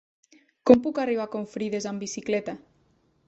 Com puc arribar a Confrides amb bicicleta?